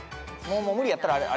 もう無理やったらあれよ。